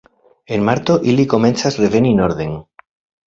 En marto ili komencas reveni norden.